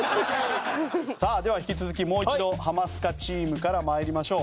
さあでは引き続きもう一度ハマスカチームからまいりましょう。